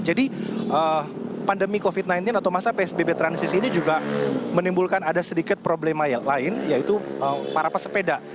jadi pandemi covid sembilan belas atau masa psbb transisi ini juga menimbulkan ada sedikit problem lain yaitu para pesepeda